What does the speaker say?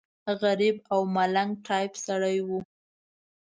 غریب او ملنګ ټایف سړی و.